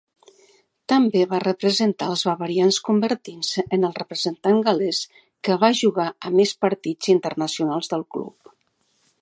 També va representar als Barbarians convertint-se en el representant gal·lès que va jugar a més partits internacionals del club.